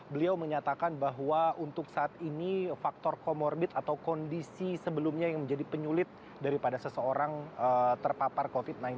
beliau menyatakan bahwa untuk saat ini faktor comorbid atau kondisi sebelumnya yang menjadi penyulit daripada seseorang terpapar covid sembilan belas